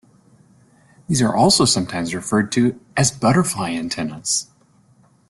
These are also sometimes referred to as butterfly antennas.